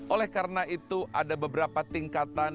oleh karena itu ada beberapa tingkatan